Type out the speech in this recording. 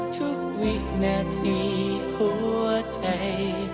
ทุกวินาทีหัวใจ